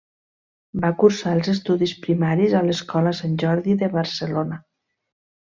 Va cursar els estudis primaris a l’Escola Sant Jordi de Barcelona.